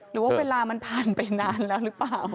หรือว่าเวลามันผ่านไปนานแล้วหรือเปล่า